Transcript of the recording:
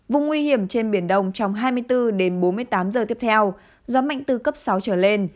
vùng nguy hiểm trên biển đông trong hai mươi bốn đến bốn mươi tám giờ tiếp theo gió mạnh từ cấp sáu trở lên